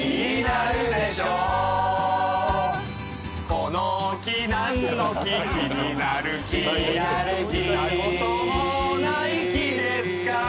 この木なんの木気になる木見たこともない木ですから